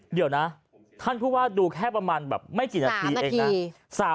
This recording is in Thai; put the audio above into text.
เดี๋ยวนะท่านผู้ว่าดูแค่ประมาณแบบไม่กี่นาทีเองนะ